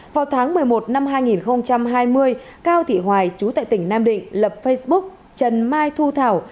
vào tháng một mươi một năm hai nghìn hai mươi cao thị hoài chú tại tỉnh nam định lập facebook trần mai thu thảo